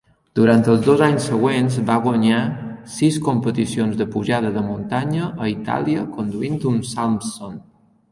Durant els dos anys següents va guanyar sis competicions de pujada de muntanya a Itàlia conduint un Salmson.